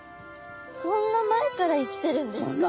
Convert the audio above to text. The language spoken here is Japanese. そんな前から生きてるんですか？